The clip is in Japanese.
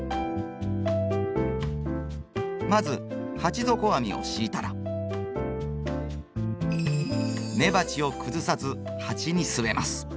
まず鉢底網を敷いたら根鉢を崩さず鉢に据えます。